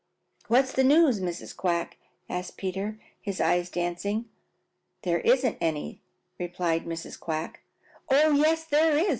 "What's the news, Mrs. Quack?" asked Peter, his eyes dancing. "There isn't any," replied Mrs. Quack. "Oh, yes, there is!"